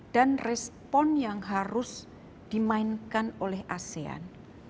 dan respon yang harus dimainkan oleh asean